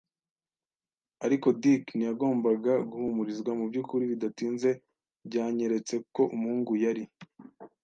Ariko Dick ntiyagombaga guhumurizwa; mubyukuri, bidatinze byanyeretse ko umuhungu yari